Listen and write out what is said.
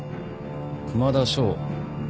熊田翔。